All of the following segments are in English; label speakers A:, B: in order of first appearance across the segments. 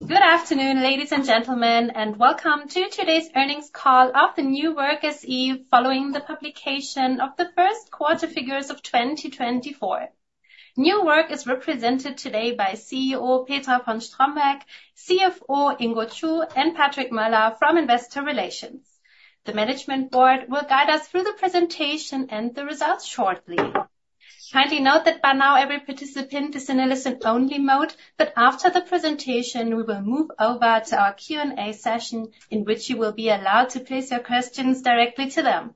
A: Good afternoon, ladies and gentlemen, and welcome to today's earnings call of the New Work SE, following the publication of the first quarter figures of 2024. New Work is represented today by CEO Petra von Strombeck, CFO Ingo Chu, and Patrick Möller from Investor Relations. The management board will guide us through the presentation and the results shortly. Kindly note that by now, every participant is in a listen-only mode, but after the presentation, we will move over to our Q&A session, in which you will be allowed to place your questions directly to them.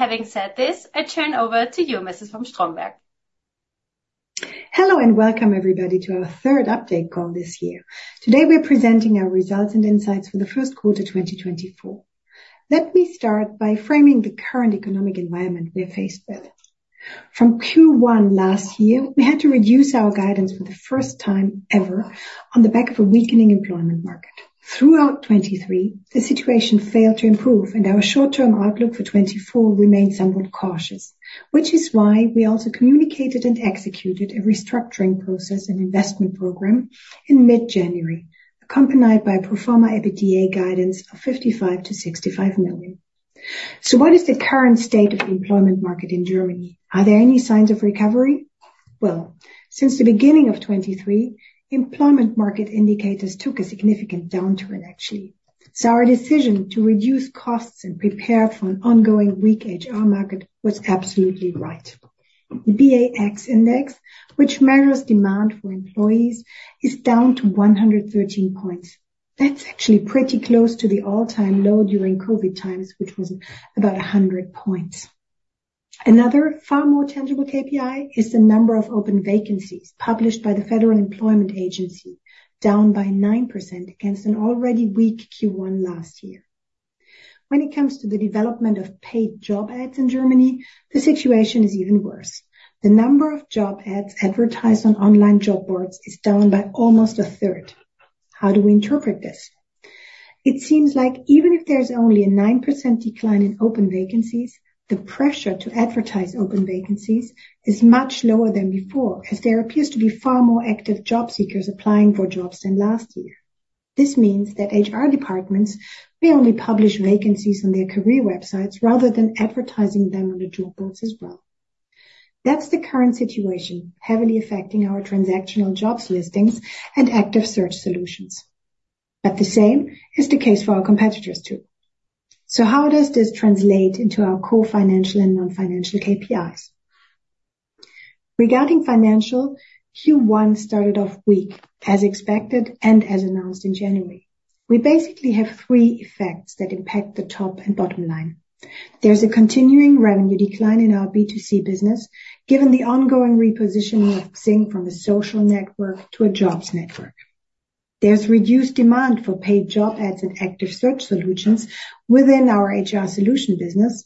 A: Having said this, I turn over to you, Mrs. von Strombeck.
B: Hello, and welcome everybody to our third update call this year. Today, we're presenting our results and insights for the first quarter 2024. Let me start by framing the current economic environment we are faced with. From Q1 last year, we had to reduce our guidance for the first time ever on the back of a weakening employment market. Throughout 2023, the situation failed to improve, and our short-term outlook for 2024 remained somewhat cautious, which is why we also communicated and executed a restructuring process and investment program in mid-January, accompanied by pro forma EBITDA guidance of 55-65 million. So what is the current state of the employment market in Germany? Are there any signs of recovery? Well, since the beginning of 2023, employment market indicators took a significant downturn, actually. So, our decision to reduce costs and prepare for an ongoing weak HR market was absolutely right. The BA-X index, which measures demand for employees, is down to 113 points. That's actually pretty close to the all-time low during COVID times, which was about 100 points. Another far more tangible KPI is the number of open vacancies published by the Federal Employment Agency, down by 9% against an already weak Q1 last year. When it comes to the development of paid job ads in Germany, the situation is even worse. The number of job ads advertised on online job boards is down by almost a third. How do we interpret this? It seems like even if there's only a 9% decline in open vacancies, the pressure to advertise open vacancies is much lower than before, as there appears to be far more active job seekers applying for jobs than last year. This means that HR departments may only publish vacancies on their career websites rather than advertising them on the job boards as well. That's the current situation, heavily affecting our transactional jobs listings and active search solutions, but the same is the case for our competitors, too. So how does this translate into our core financial and non-financial KPIs? Regarding financial, Q1 started off weak, as expected and as announced in January. We basically have three effects that impact the top and bottom line. There's a continuing revenue decline in our B2C business, given the ongoing repositioning of XING from a social network to a jobs network. There's reduced demand for paid job ads and active search solutions within our HR solution business,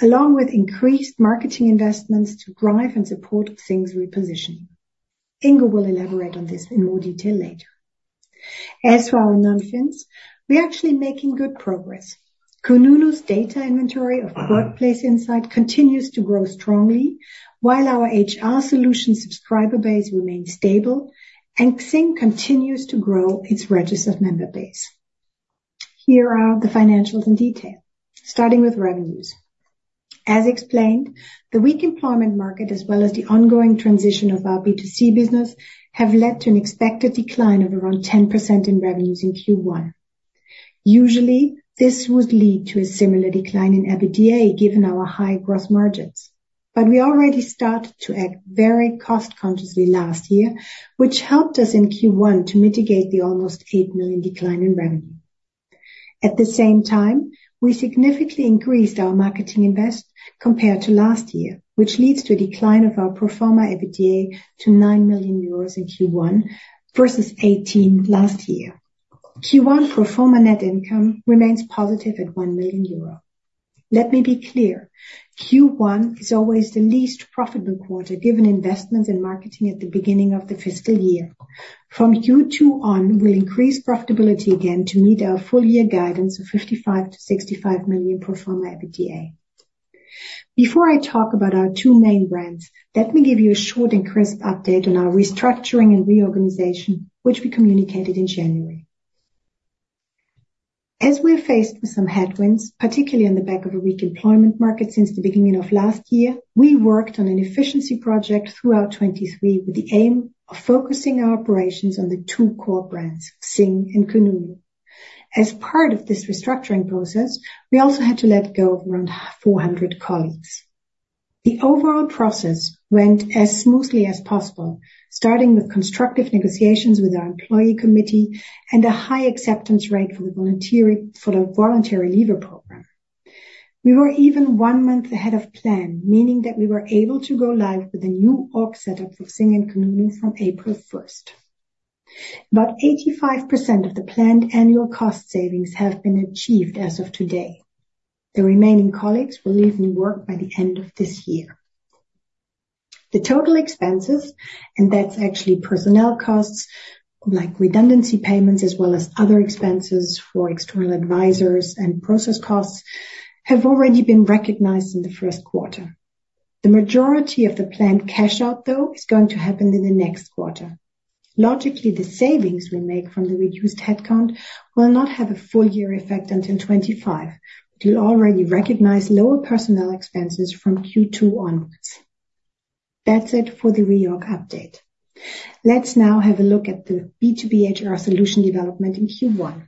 B: along with increased marketing investments to drive and support XING's repositioning. Ingo will elaborate on this in more detail later. As for our non-financials, we are actually making good progress. Kununu's data inventory of workplace insight continues to grow strongly, while our HR solution subscriber base remains stable, and XING continues to grow its registered member base. Here are the financials in detail. Starting with revenues. As explained, the weak employment market, as well as the ongoing transition of our B2C business, have led to an expected decline of around 10% in revenues in Q1. Usually, this would lead to a similar decline in EBITDA, given our high gross margins, but we already started to act very cost-consciously last year, which helped us in Q1 to mitigate the almost 8 million decline in revenue. At the same time, we significantly increased our marketing invest compared to last year, which leads to a decline of our pro forma EBITDA to 9 million euros in Q1 versus 18 last year. Q1 pro forma net income remains positive at 1 million euro. Let me be clear, Q1 is always the least profitable quarter, given investments in marketing at the beginning of the fiscal year. From Q2 on, we'll increase profitability again to meet our full year guidance of 55 million-65 million pro forma EBITDA. Before I talk about our two main brands, let me give you a short and crisp update on our restructuring and reorganization, which we communicated in January. As we're faced with some headwinds, particularly on the back of a weak employment market since the beginning of last year, we worked on an efficiency project throughout 2023, with the aim of focusing our operations on the two core brands, XING and kununu. As part of this restructuring process, we also had to let go of around 400 colleagues. The overall process went as smoothly as possible, starting with constructive negotiations with our employee committee and a high acceptance rate for the voluntary leaver program. We were even one month ahead of plan, meaning that we were able to go live with a new org setup for XING and kununu from April first. About 85% of the planned annual cost savings have been achieved as of today. The remaining colleagues will leave New Work by the end of this year. The total expenses, and that's actually personnel costs, like redundancy payments, as well as other expenses for external advisors and process costs, have already been recognized in the first quarter. The majority of the planned cash out, though, is going to happen in the next quarter. Logically, the savings we make from the reduced headcount will not have a full year effect until 2025. We'll already recognize lower personnel expenses from Q2 onwards. That's it for the reorg update. Let's now have a look at the B2B HR solution development in Q1.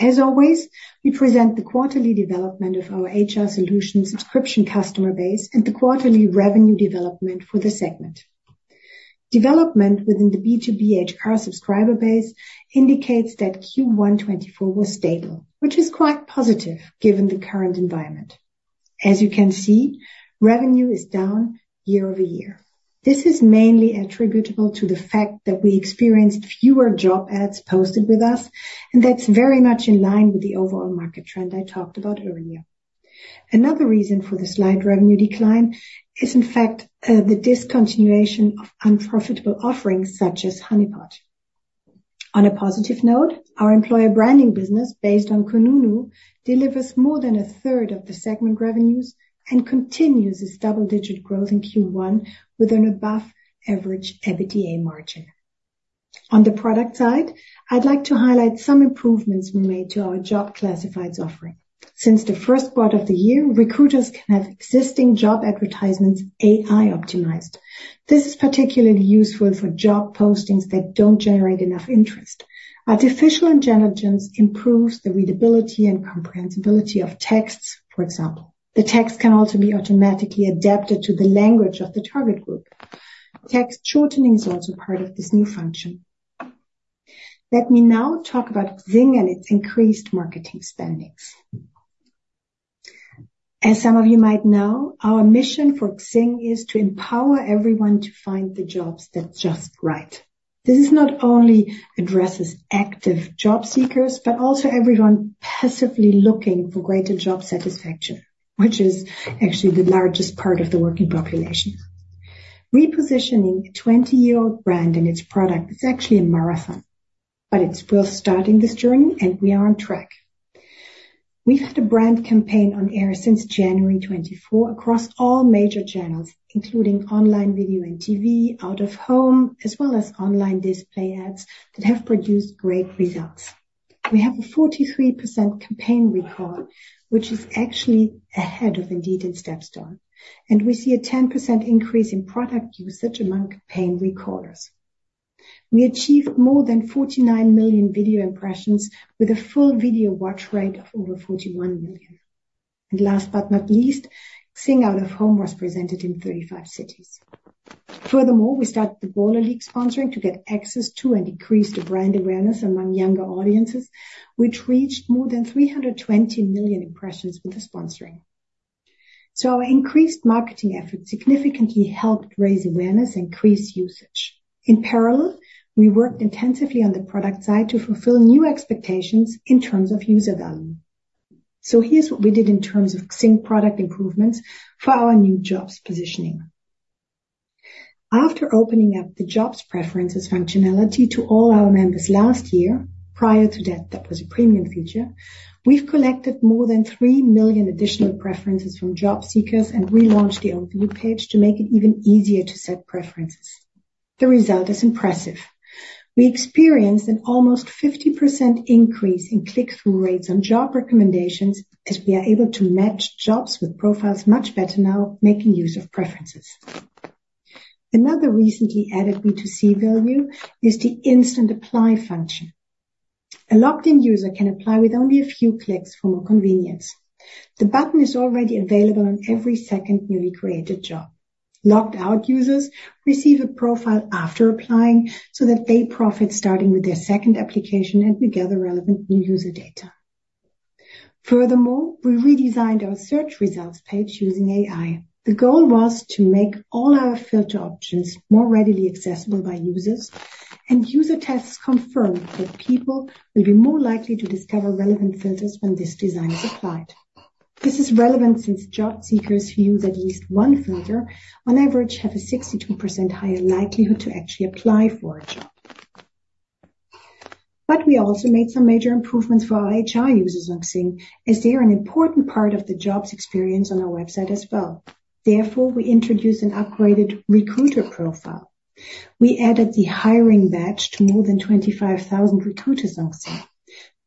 B: As always, we present the quarterly development of our HR solution subscription customer base and the quarterly revenue development for the segment. Development within the B2B HR subscriber base indicates that Q1 2024 was stable, which is quite positive given the current environment. As you can see, revenue is down year over year. This is mainly attributable to the fact that we experienced fewer job ads posted with us, and that's very much in line with the overall market trend I talked about earlier. Another reason for the slight revenue decline is, in fact, the discontinuation of unprofitable offerings such as Honeypot. On a positive note, our employer branding business, based on kununu, delivers more than a third of the segment revenues and continues this double-digit growth in Q1 with an above-average EBITDA margin. On the product side, I'd like to highlight some improvements we made to our job classifieds offering. Since the first part of the year, recruiters can have existing job advertisements AI optimized. This is particularly useful for job postings that don't generate enough interest. Artificial intelligence improves the readability and comprehensibility of texts, for example. The text can also be automatically adapted to the language of the target group. Text shortening is also part of this new function. Let me now talk about XING and its increased marketing spending. As some of you might know, our mission for XING is to empower everyone to find the jobs that's just right. This not only addresses active job seekers, but also everyone passively looking for greater job satisfaction, which is actually the largest part of the working population. Repositioning a 20-year-old brand and its product is actually a marathon, but it's worth starting this journey, and we are on track. We've had a brand campaign on air since January 2024 across all major channels, including online, video, and TV, out of home, as well as online display ads that have produced great results. We have a 43% campaign recall, which is actually ahead of Indeed and StepStone, and we see a 10% increase in product usage among campaign recallers. We achieved more than 49 million video impressions with a full video watch rate of over 41 million. And last but not least, XING out of home was presented in 35 cities. Furthermore, we started the Bundesliga sponsoring to get access to and increase the brand awareness among younger audiences, which reached more than 320 million impressions with the sponsoring. So our increased marketing efforts significantly helped raise awareness and increase usage. In parallel, we worked intensively on the product side to fulfill new expectations in terms of user value. So, here's what we did in terms of XING product improvements for our new jobs positioning. After opening up the jobs preferences functionality to all our members last year, prior to that, that was a premium feature, we've collected more than 3 million additional preferences from job seekers and relaunched the overview page to make it even easier to set preferences. The result is impressive. We experienced an almost 50% increase in click-through rates on job recommendations, as we are able to match jobs with profiles much better now, making use of preferences. Another recently added B2C value is the Instant Apply function. A logged in user can apply with only a few clicks for more convenience. The button is already available on every second newly created job. Logged-out users receive a profile after applying so that they profit starting with their second application and we gather relevant new user data. Furthermore, we redesigned our search results page using AI. The goal was to make all our filter options more readily accessible by users, and user tests confirm that people will be more likely to discover relevant filters when this design is applied. This is relevant since job seekers who use at least one filter on average, have a 62% higher likelihood to actually apply for a job. But we also made some major improvements for our HR users on XING, as they are an important part of the jobs experience on our website as well. Therefore, we introduced an upgraded recruiter profile. We added the Hiring Badge to more than 25,000 recruiters on XING.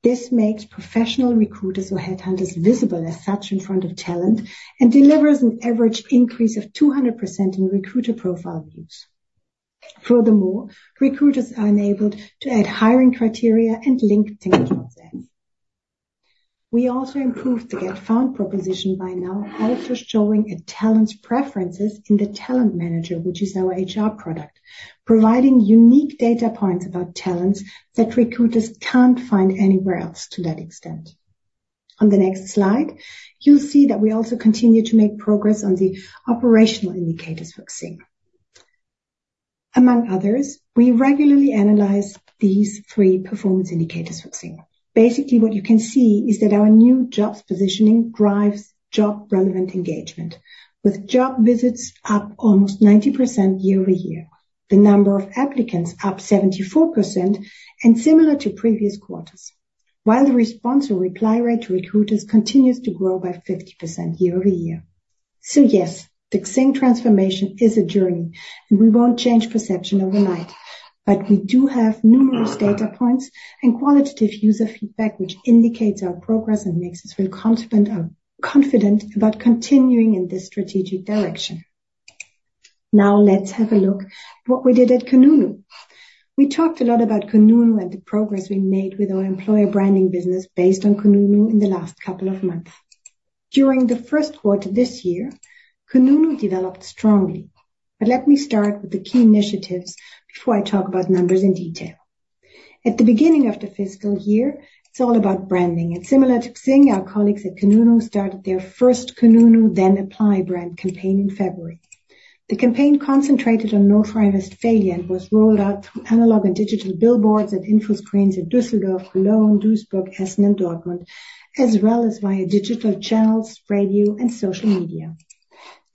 B: This makes professional recruiters or headhunters visible as such in front of talent and delivers an average increase of 200% in recruiter profile views. Furthermore, recruiters are enabled to add hiring criteria and link to job ads. We also improved the Get Found proposition by now, also showing a talent's preferences in the Talent Manager, which is our HR product, providing unique data points about talents that recruiters can't find anywhere else to that extent. On the next slide, you'll see that we also continue to make progress on the operational indicators for XING. Among others, we regularly analyze these three performance indicators for XING. Basically, what you can see is that our new jobs positioning drives job-relevant engagement, with job visits up almost 90% year-over-year. The number of applicants up 74% and similar to previous quarters. While the response and reply rate to recruiters continues to grow by 50% year-over-year. So yes, the XING transformation is a journey, and we won't change perception overnight. But we do have numerous data points and qualitative user feedback, which indicates our progress and makes us feel confident about continuing in this strategic direction. Now, let's have a look what we did at kununu. We talked a lot about kununu and the progress we made with our employer branding business based on kununu in the last couple of months. During the first quarter this year, kununu developed strongly. But let me start with the key initiatives before I talk about numbers in detail. At the beginning of the fiscal year, it's all about branding. Similar to XING, our colleagues at kununu started their first kununu then Apply brand campaign in February. The campaign concentrated on North Rhine-Westphalia and was rolled out through analog and digital billboards and info screens in Düsseldorf, Cologne, Duisburg, Essen, and Dortmund, as well as via digital channels, radio, and social media.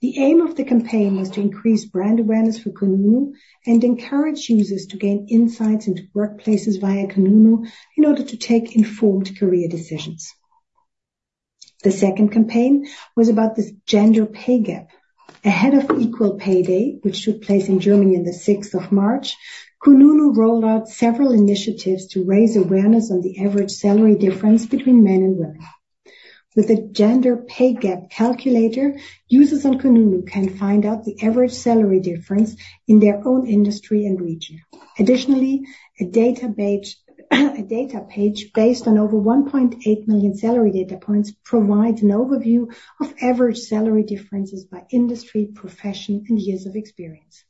B: The aim of the campaign was to increase brand awareness for kununu and encourage users to gain insights into workplaces via kununu in order to take informed career decisions. The second campaign was about this gender pay gap. Ahead of Equal Pay Day, which took place in Germany on the sixth of March, kununu rolled out several initiatives to raise awareness on the average salary difference between men and women. With a Gender Pay Gap Calculator, users on kununu can find out the average salary difference in their own industry and region. Additionally, a data page based on over 1.8 million salary data points provides an overview of average salary differences by industry, profession, and years of experience.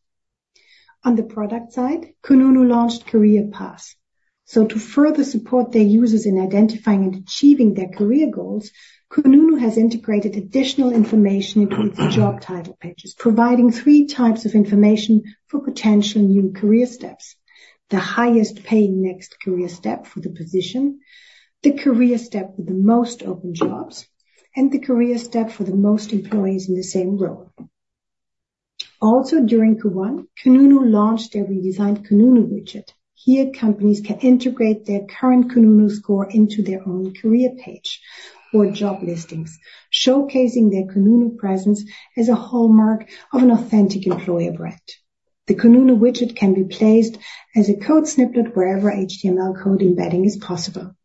B: On the product side, kununu launched Career Path. So to further support their users in identifying and achieving their career goals, kununu has integrated additional information into its job title pages, providing three types of information for potential new career steps: the highest paying next career step for the position, the career step with the most open jobs, and the career step for the most employees in the same role. Also, during Q1, kununu launched their redesigned kununu widget. Here, companies can integrate their current kununu score into their own career page or job listings, showcasing their kununu presence as a hallmark of an authentic employer brand. The kununu widget can be placed as a code snippet wherever HTML code embedding is possible.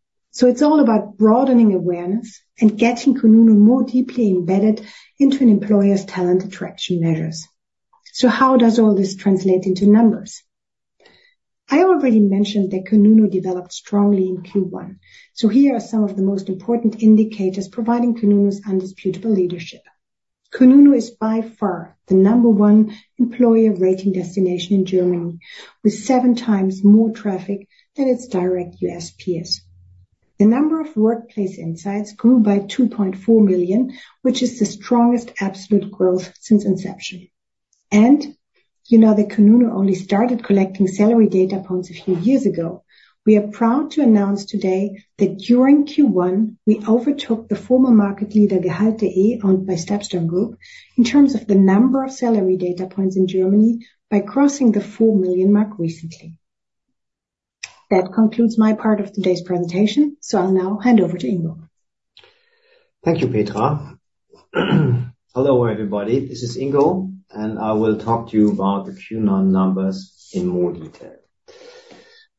B: It's all about broadening awareness and getting kununu more deeply embedded into an employer's talent attraction measures. How does all this translate into numbers? I already mentioned that kununu developed strongly in Q1. Here are some of the most important indicators providing kununu's undisputable leadership. kununu is by far the number one employer rating destination in Germany, with seven times more traffic than its direct U.S. peers. The number of workplace insights grew by 2.4 million, which is the strongest absolute growth since inception. You know that kununu only started collecting salary data points a few years ago. We are proud to announce today that during Q1, we overtook the former market leader, Gehalt.de, owned by StepStone Group, in terms of the number of salary data points in Germany by crossing the 4 million mark recently. That concludes my part of today's presentation, so I'll now hand over to Ingo.
C: Thank you, Petra. Hello, everybody. This is Ingo, and I will talk to you about the Q1 numbers in more detail.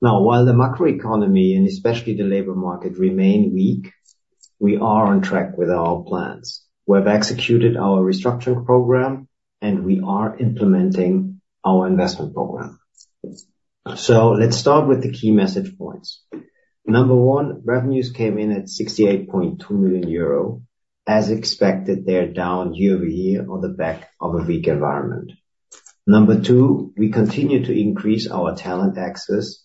C: Now, while the macroeconomy, and especially the labor market, remain weak, we are on track with our plans. We have executed our restructuring program, and we are implementing our investment program. So let's start with the key message points. Number one, revenues came in at 68.2 million euro. As expected, they are down year-over-year on the back of a weak environment. Number two, we continue to increase our talent access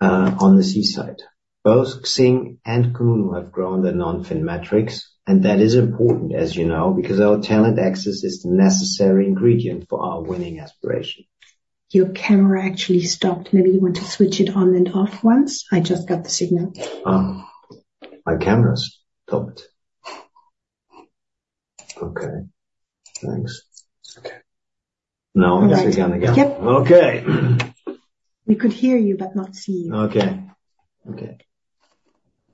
C: on the C side. Both XING and kununu have grown their non-fin metrics, and that is important, as you know, because our talent access is the necessary ingredient for our winning aspiration.
B: Your camera actually stopped. Maybe you want to switch it on and off once. I just got the signal.
C: Oh, my camera's stopped. Okay, thanks. Okay. Now, it's again.
B: Yep.
C: Okay.
B: We could hear you, but not see you.
C: Okay. Okay.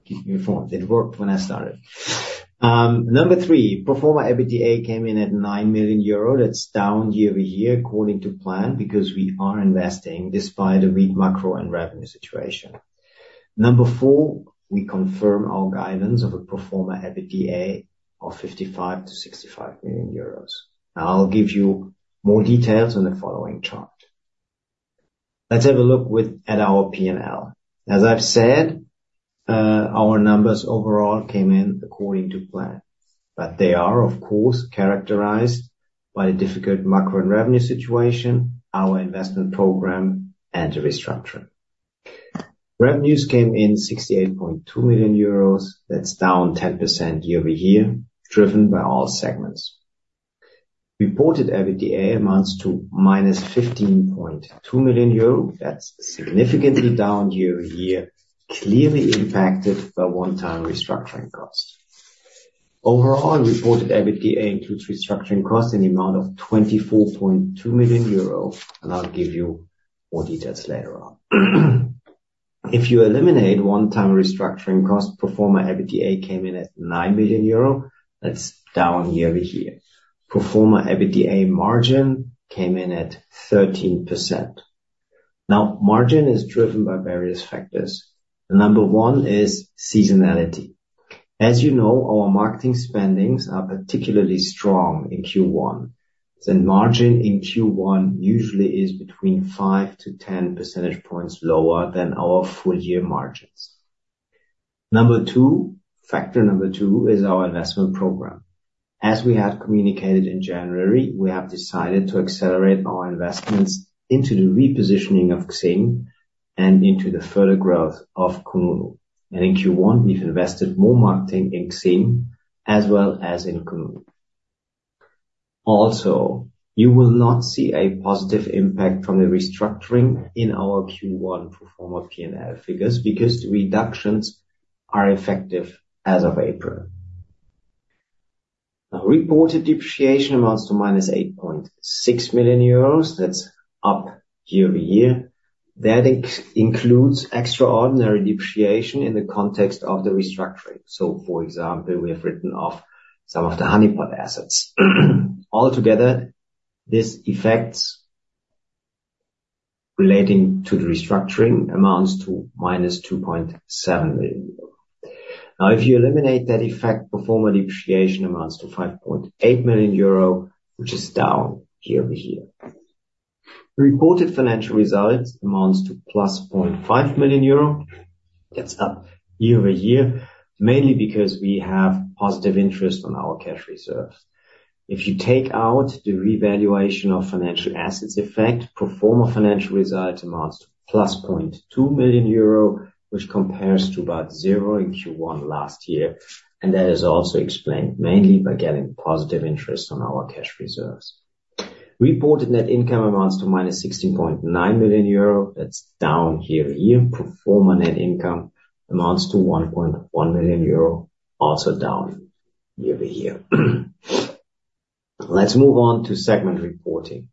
C: Keep me informed. It worked when I started. Number three, pro forma EBITDA came in at 9 million euro. That's down year-over-year according to plan, because we are investing despite a weak macro and revenue situation. Number four, we confirm our guidance of a pro forma EBITDA of 55 million-65 million euros. I'll give you more details on the following chart. Let's have a look at our P&L. As I've said, our numbers overall came in according to plan, but they are, of course, characterized by a difficult macro and revenue situation, our investment program, and the restructuring. Revenues came in 68.2 million euros. That's down 10% year-over-year, driven by all segments. Reported EBITDA amounts to -15.2 million euro. That's significantly down year-over-year, clearly impacted by one-time restructuring costs. Overall, reported EBITDA includes restructuring costs in the amount of 24.2 million euro, and I'll give you more details later on. If you eliminate one-time restructuring costs, pro forma EBITDA came in at 9 million euro. That's down year-over-year. Pro forma EBITDA margin came in at 13%. Now, margin is driven by various factors. Number one is seasonality. As you know, our marketing spendings are particularly strong in Q1, and margin in Q1 usually is between 5-10 percentage points lower than our full-year margins. Number two, factor number two is our investment program. As we have communicated in January, we have decided to accelerate our investments into the repositioning of XING and into the further growth of kununu. And in Q1, we've invested more marketing in XING as well as in kununu. Also, you will not see a positive impact from the restructuring in our Q1 pro forma P&L figures, because the reductions are effective as of April. Now, reported depreciation amounts to minus 8.6 million euros. That's up year-over-year. That includes extraordinary depreciation in the context of the restructuring. So for example, we have written off some of the Honeypot assets. Altogether, this effects relating to the restructuring amounts to minus 2.7 million euro. Now, if you eliminate that effect, pro forma depreciation amounts to 5.8 million euro, which is down year-over-year. Reported financial results amounts to plus 0.5 million euro. That's up year-over-year, mainly because we have positive interest on our cash reserves. If you take out the revaluation of financial assets effect, pro forma financial result amounts to +0.2 million euro, which compares to about 0 in Q1 last year, and that is also explained mainly by getting positive interest on our cash reserves. Reported net income amounts to -16.9 million euro. That's down year-over-year. Pro forma net income amounts to 1.1 million euro, also down year-over-year. Let's move on to segment reporting.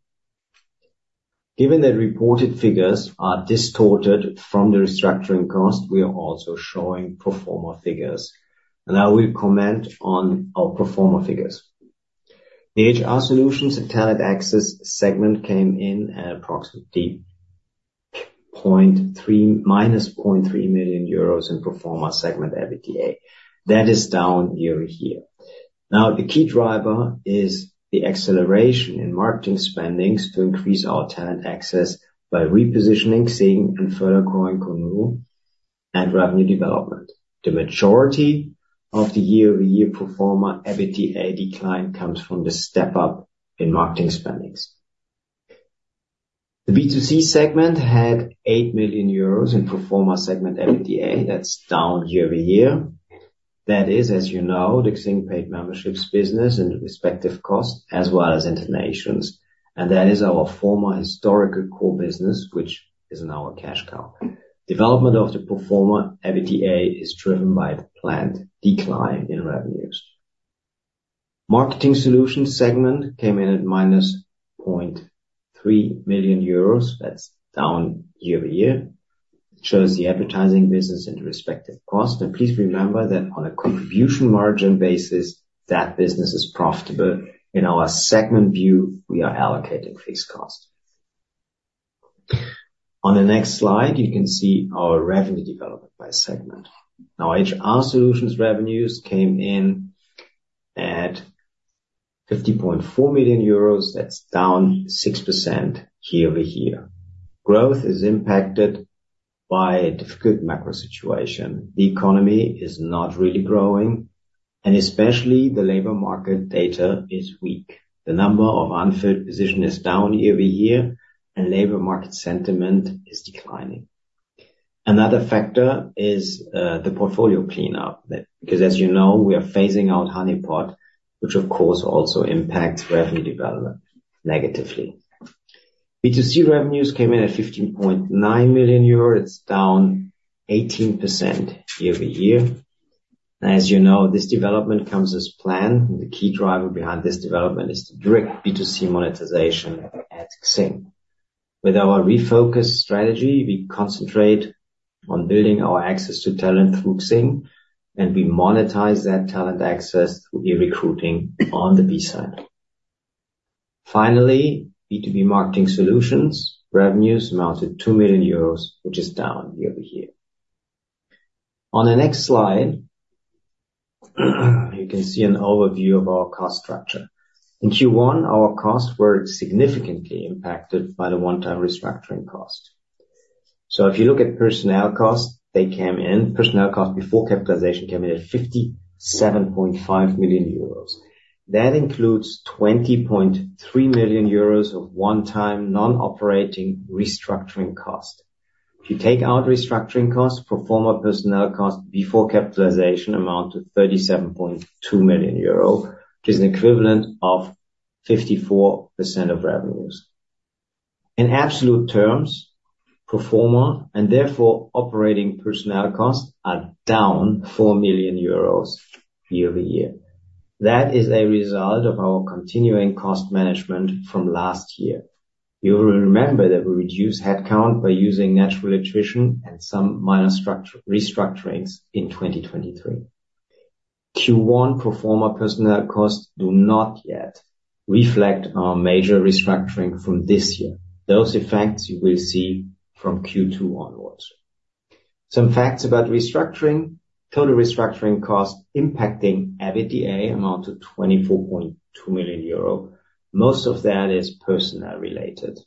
C: Given that reported figures are distorted from the restructuring cost, we are also showing pro forma figures, and I will comment on our pro forma figures. The HR Solutions and Talent Access segment came in at approximately -0.3 million euros in pro forma segment EBITDA. That is down year-over-year. Now, the key driver is the acceleration in marketing spendings to increase our talent access by repositioning XING and further growing kununu and revenue development. The majority of the year-over-year pro forma EBITDA decline comes from the step up in marketing spendings. The B2C segment had 8 million euros in pro forma segment EBITDA. That's down year-over-year. That is, as you know, the XING paid memberships business and the respective costs, as well as InterNations, and that is our former historical core business, which is now a cash cow. Development of the pro forma EBITDA is driven by the planned decline in revenues. Marketing Solutions segment came in at -0.3 million euros. That's down year-over-year. Shows the advertising business and the respective cost. And please remember that on a contribution margin basis, that business is profitable. In our segment view, we are allocating fixed costs. On the next slide, you can see our revenue development by segment. Now, HR Solutions revenues came in at 50.4 million euros. That's down 6% year-over-year. Growth is impacted by a difficult macro situation. The economy is not really growing, and especially the labor market data is weak. The number of unfilled position is down year-over-year, and labor market sentiment is declining. Another factor is, the portfolio cleanup, because as you know, we are phasing out Honeypot, which of course also impacts revenue development negatively. B2C revenues came in at 15.9 million euro. It's down 18% year-over-year. As you know, this development comes as planned. The key driver behind this development is the direct B2C monetization at XING. With our refocused strategy, we concentrate on building our access to talent through XING, and we monetize that talent access through e-recruiting on the B side. Finally, B2B marketing Solutions, revenues amounted two million euros, which is down year-over-year. On the next slide, you can see an overview of our cost structure. In Q1, our costs were significantly impacted by the one-time restructuring cost. So if you look at personnel costs, they came in, personnel costs before capitalization came in at 57.5 million euros. That includes 20.3 million euros of one-time, non-operating restructuring cost. If you take out restructuring costs, pro forma personnel costs before capitalization amount to 37.2 million euro, which is an equivalent of 54% of revenues. In absolute terms, pro forma, and therefore operating personnel costs are down 4 million euros year-over-year. That is a result of our continuing cost management from last year. You will remember that we reduced headcount by using natural attrition and some minor restructurings in 2023. Q1 pro forma personnel costs do not yet reflect our major restructuring from this year. Those effects you will see from Q2 onwards. Some facts about restructuring. Total restructuring costs impacting EBITDA amount to 24.2 million euro. Most of that is personnel related.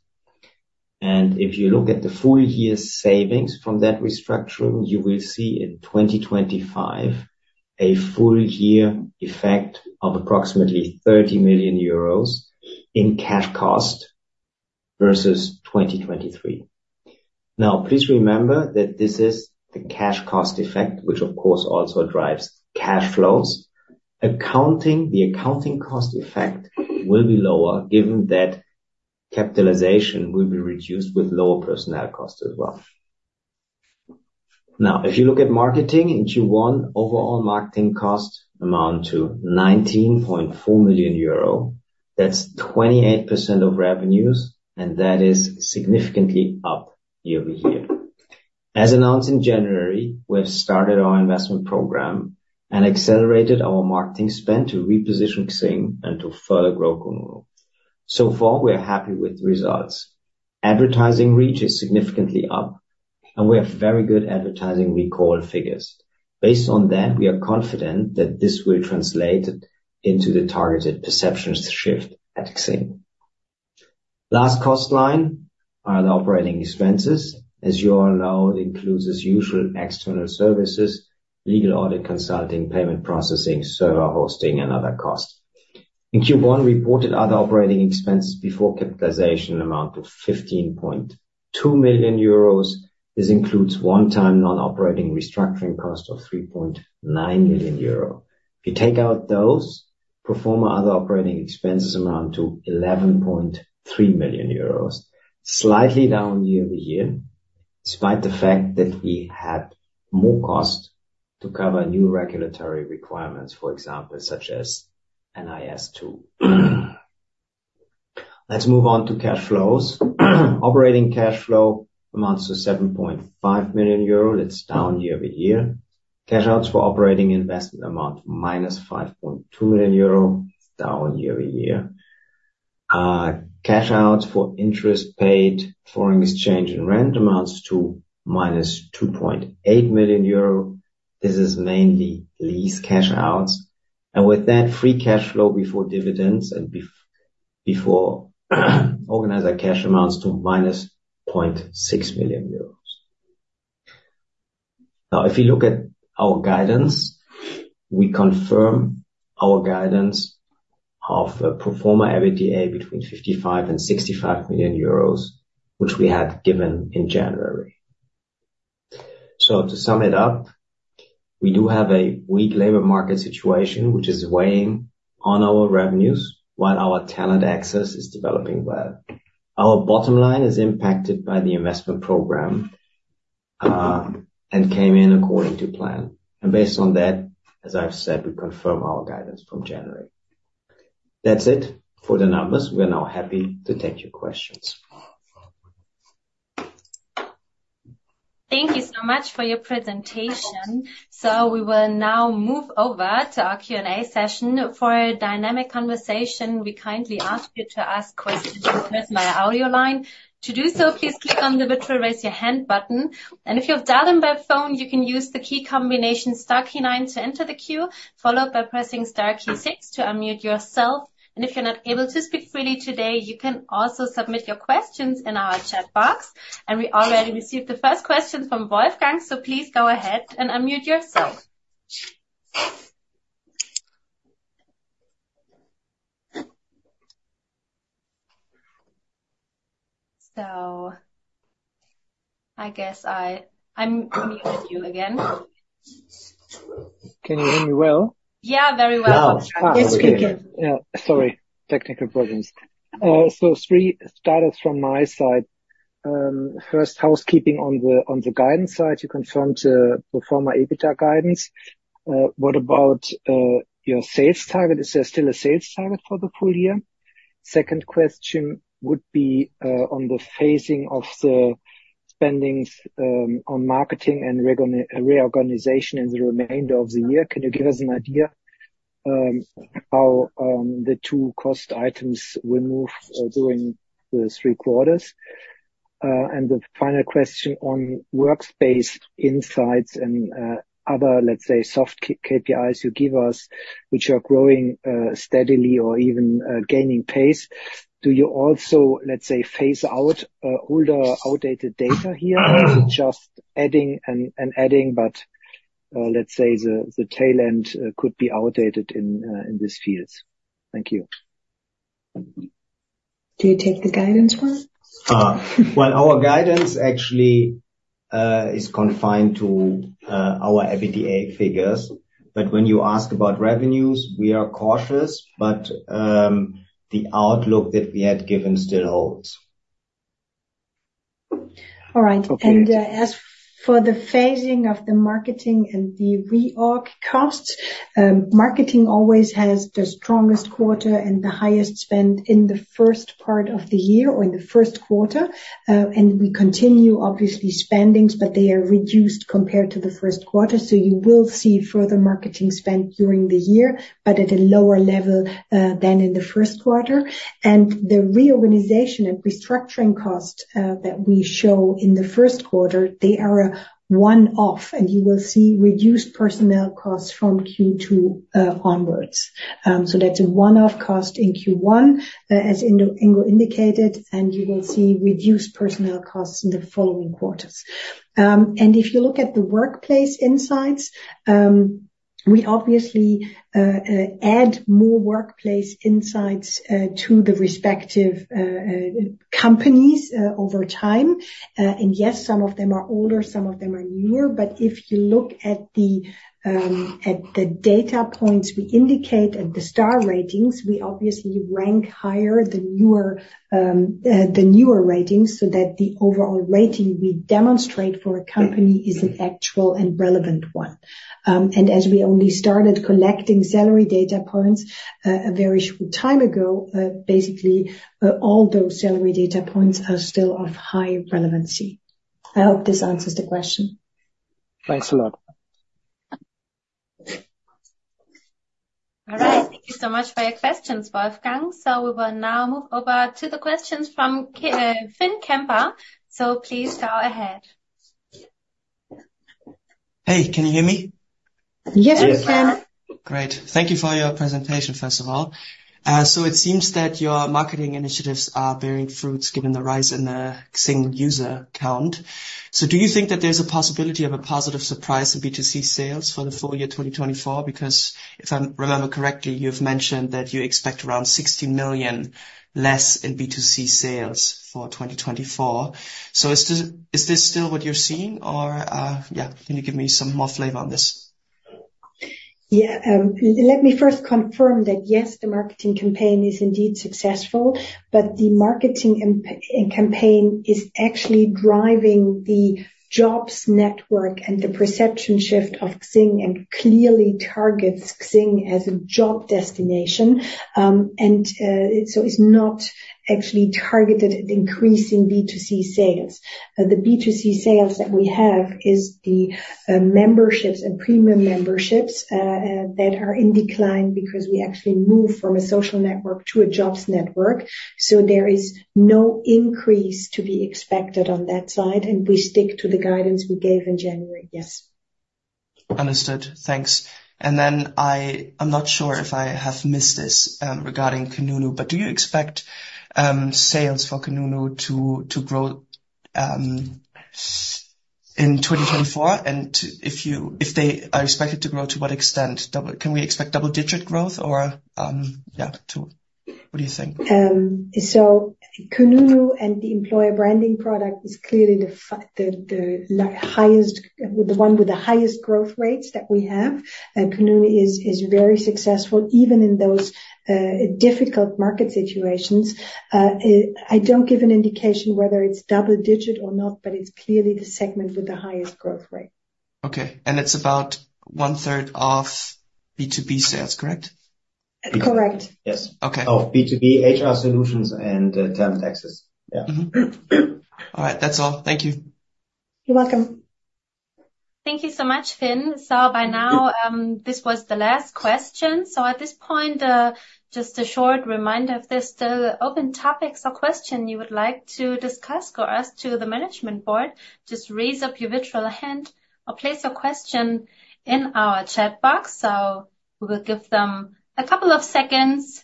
C: And if you look at the full year savings from that restructuring, you will see in 2025, a full year effect of approximately 30 million euros in cash cost versus 2023. Now, please remember that this is the cash cost effect, which of course, also drives cash flows. Accounting, the accounting cost effect will be lower, given that capitalization will be reduced with lower personnel costs as well. Now, if you look at marketing in Q1, overall marketing costs amount to 19.4 million euro. That's 28% of revenues, and that is significantly up year-over-year. As announced in January, we have started our investment program and accelerated our marketing spend to reposition XING and to further grow kununu. So far, we are happy with the results. Advertising reach is significantly up, and we have very good advertising recall figures. Based on that, we are confident that this will translate into the targeted perception shift at XING. Last cost line are the operating expenses. As you all know, it includes, as usual, external services, legal, audit, consulting, payment processing, server hosting, and other costs. In Q1, we reported other operating expenses before capitalization amount of 15.2 million euros. This includes one-time non-operating restructuring cost of 3.9 million euro. If you take out those, pro forma other operating expenses amount to 11.3 million euros, slightly down year-over-year, despite the fact that we had more cost to cover new regulatory requirements, for example, such as NIS2. Let's move on to cash flows. Operating cash flow amounts to 7.5 million euro. That's down year-over-year. Cash outs for operating investment amount to -5.2 million euro, down year-over-year. Cash outs for interest paid, foreign exchange, and rent amounts to -2.8 million euro. This is mainly lease cash outs, and with that, free cash flow before dividends and before inorganic cash amounts to -0.6 million euros. Now, if you look at our guidance, we confirm our guidance of a pro forma EBITDA between 55 million-65 million euros, which we had given in January. To sum it up, we do have a weak labor market situation, which is weighing on our revenues, while our talent access is developing well. Our bottom line is impacted by the investment program and came in according to plan. Based on that, as I've said, we confirm our guidance from January. That's it for the numbers. We are now happy to take your questions.
A: Thank you so much for your presentation. So we will now move over to our Q&A session. For a dynamic conversation, we kindly ask you to ask questions with my audio line. To do so, please click on the virtual Raise Your Hand button, and if you have dialed in by phone, you can use the key combination star key nine to enter the queue, followed by pressing star key six to unmute yourself. And if you're not able to speak freely today, you can also submit your questions in our chat box. And we already received the first question from Wolfgang, so please go ahead and unmute yourself. So, I guess I unmute you again.
D: Can you hear me well?
A: Yeah, very well.
C: Yeah.
B: Yes, we can.
D: Yeah. Sorry, technical problems. So three starters from my side. First, housekeeping on the guidance side, you confirmed the pro forma EBITDA guidance. What about your sales target? Is there still a sales target for the full year? Second question would be on the phasing of the spendings on marketing and reorganization in the remainder of the year. Can you give us an idea how the two cost items will move during the three quarters? And the final question on workspace insights and other, let's say, soft KPIs you give us, which are growing steadily or even gaining pace. Do you also, let's say, phase out older, outdated data here? Just adding and adding, but let's say the tail end could be outdated in these fields. Thank you.
B: Do you take the guidance one?
C: Well, our guidance actually is confined to our EBITDA figures. But when you ask about revenues, we are cautious, but the outlook that we had given still holds.
B: All right. And, as for the phasing of the marketing and the reorg costs, marketing always has the strongest quarter and the highest spend in the first part of the year or in the first quarter. And we continue, obviously, spendings, but they are reduced compared to the first quarter. So, you will see further marketing spend during the year, but at a lower level, than in the first quarter. And the reorganization and restructuring costs, that we show in the first quarter, they are a one-off, and you will see reduced personnel costs from Q2, onwards. So that's a one-off cost in Q1, as Ingo, Ingo indicated, and you will see reduced personnel costs in the following quarters. And if you look at the workplace insights, we obviously add more workplace insights to the respective companies over time. And yes, some of them are older, some of them are newer. But if you look at the data points we indicate and the star ratings, we obviously rank higher the newer the newer ratings, so that the overall rating we demonstrate for a company is an actual and relevant one. And as we only started collecting salary data points a very short time ago, basically all those salary data points are still of high relevancy. I hope this answers the question.
D: Thanks a lot.
A: All right. Thank you so much for your questions, Wolfgang. We will now move over to the questions from Finn Kemper. Please go ahead.
E: Hey, can you hear me?
B: Yes, we can.
E: Great. Thank you for your presentation, first of all. So it seems that your marketing initiatives are bearing fruits, given the rise in the XING user count. So do you think that there's a possibility of a positive surprise in B2C sales for the full year 2024? Because if I remember correctly, you've mentioned that you expect around 60 million less in B2C sales for 2024. So is this, is this still what you're seeing or, yeah, can you give me some more flavor on this?
B: Yeah, let me first confirm that, yes, the marketing campaign is indeed successful, but the marketing and campaign is actually driving the jobs network and the perception shift of XING, and clearly targets XING as a job destination. So, it's not actually targeted at increasing B2C sales. The B2C sales that we have is the memberships and premium memberships that are in decline because we actually moved from a social network to a jobs network. So, there is no increase to be expected on that side, and we stick to the guidance we gave in January. Yes.
E: Understood. Thanks. And then I'm not sure if I have missed this, regarding Kununu, but do you expect sales for Kununu to grow in 2024? And if they are expected to grow, to what extent? Double. Can we expect double-digit growth or, yeah, to. What do you think?
B: So Kununu and the employer branding product is clearly the highest, the one with the highest growth rates that we have. Kununu is very successful, even in those difficult market situations. I don't give an indication whether it's double digit or not, but it's clearly the segment with the highest growth rate.
E: Okay. And it's about 1/3 of B2B sales, correct?
B: Correct.
C: Yes.
E: Okay.
C: Of B2B, HR solutions and Talent Access. Yeah.
E: All right, that's all. Thank you.
B: You're welcome.
A: Thank you so much, Finn. So, by now, this was the last question. So, at this point, just a short reminder, if there's still open topics or question you would like to discuss or ask to the management board, just raise up your virtual hand or place a question in our chat box. So, we will give them a couple of seconds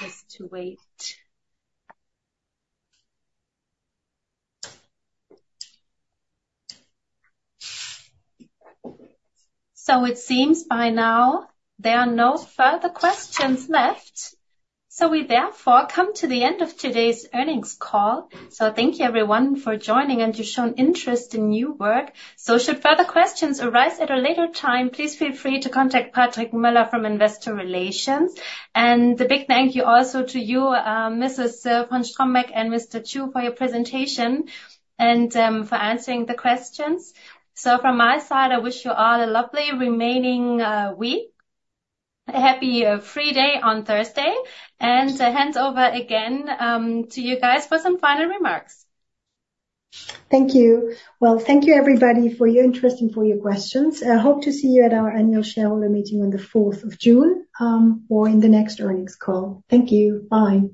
A: just to wait. So, it seems by now there are no further questions left. So, we therefore come to the end of today's earnings call. So, thank you everyone for joining, and you've shown interest in New Work. So should further questions arise at a later time, please feel free to contact Patrick Möller from Investor Relations. And a big thank you also to you, Mrs. von Strombeck and Mr. Chu, for your presentation and, for answering the questions. From my side, I wish you all a lovely remaining week, a happy free day on Thursday, and I hand over again to you guys for some final remarks.
B: Thank you. Well, thank you, everybody, for your interest and for your questions. I hope to see you at our annual shareholder meeting on the fourth of June, or in the next earnings call. Thank you. Bye.